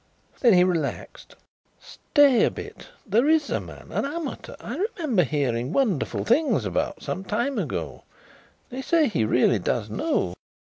Then he relaxed. "Stay a bit; there is a man an amateur I remember hearing wonderful things about some time ago. They say he really does know."